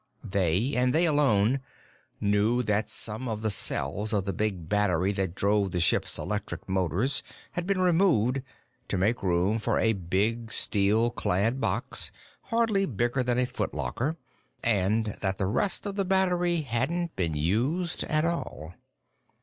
They, and they alone, knew that some of the cells of the big battery that drove the ship's electric motors had been removed to make room for a big, steel clad box hardly bigger than a foot locker, and that the rest of the battery hadn't been used at all.